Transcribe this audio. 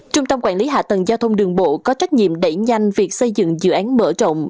trung tâm quản lý hạ tầng giao thông đường bộ có trách nhiệm đẩy nhanh việc xây dựng dự án mở rộng